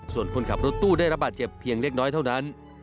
ส่วนคนขับรถตู้ได้รับบาดเจ็บเพียงเล็กน้อยเท่านั้น